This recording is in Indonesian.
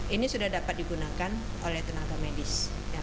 ini sudah dapat digunakan oleh tenaga medis